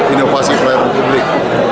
inovasi pelayanan publik